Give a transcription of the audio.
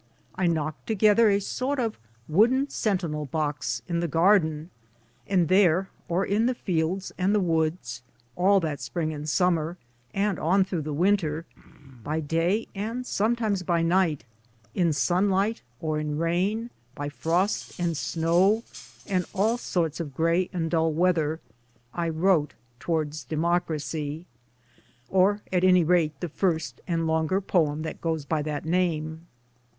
I knocked together a sort of wooden sentinel box, in the garden, and there, or in the fields and the woods, all that spring and summer, and on through the winter, by day and sometimes by night, in sunlight or in rain, by frost and snow and all sorts of grey and dull weather, I wrote " Towards Democracy "— or at any rate the first and longer poem that goes by that name.